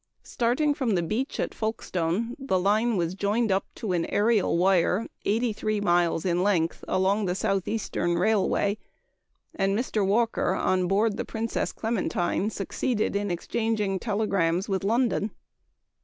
Starting from the beach at Folkestone, the line was joined up to an aerial wire, 83 miles in length, along the Southeastern Railway, and Mr. Walker, on board the Princess Clementine, succeeded in exchanging telegrams with London.